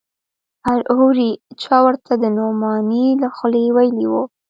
هورې چا ورته د نعماني له خولې ويلي و.